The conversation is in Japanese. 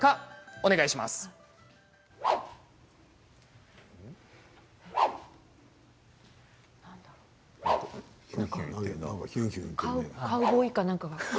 お願いします。